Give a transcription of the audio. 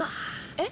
えっ？